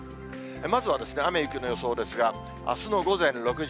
まずはですね、雨、雪の予想ですが、あすの午前６時。